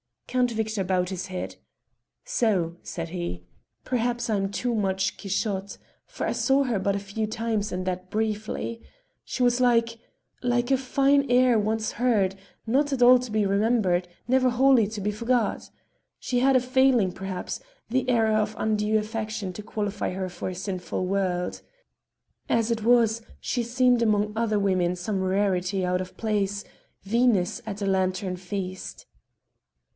Count Victor bowed his head. "So," said he. "Perhaps I am too much Quixote, for I saw her but a few times, and that briefly. She was like a like a fine air once heard, not all to be remembered, never wholly to be forgot. She had a failing, perhaps the error of undue affection to qualify her for a sinful world. As it was, she seemed among other women some rarity out of place Venus at a lantern feast."